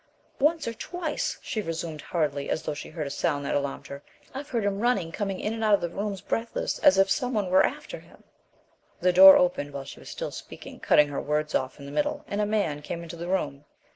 "Once or twice," she resumed hurriedly, as though she heard a sound that alarmed her, "I've heard him running coming in and out of the rooms breathless as if something were after him " The door opened while she was still speaking, cutting her words off in the middle, and a man came into the room.